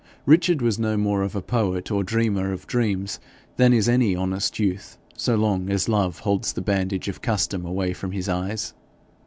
Richard was no more of a poet or dreamer of dreams than is any honest youth so long as love holds the bandage of custom away from his eyes.